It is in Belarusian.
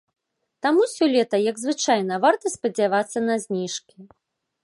Таму сёлета, як звычайна, варта спадзявацца на зніжкі.